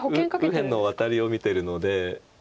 右辺のワタリを見てるので。